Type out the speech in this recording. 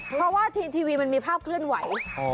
เพราะว่าทีทีวีมันมีภาพเคลื่อนไหว